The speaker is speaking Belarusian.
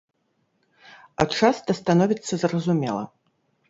А часта становіцца зразумела.